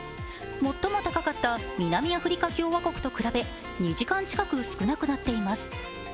最も高かった南アフリカ共和国と比べ、２時間近く少なくなっています。